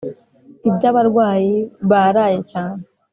ibya barwayi baraye cyane